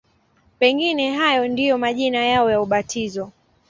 Pengine hayo ndiyo majina yao ya ubatizo.